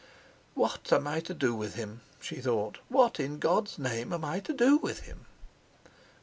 "What am I to do with him?" she thought. "What in God's name am I to do with him?"